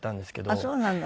あっそうなの。